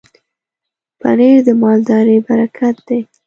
پنېر د مالدارۍ برکت دی.